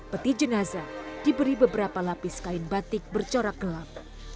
peti jenazah diberi beberapa lapis kain batik bercorak gelap